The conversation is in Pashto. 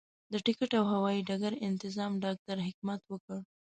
د ټکټ او هوايي ډګر انتظام ډاکټر حکمت وکړ.